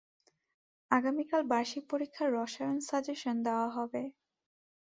আগামীকাল বার্ষিক পরীক্ষার রসায়ন সাজেশন দেওয়া হবে।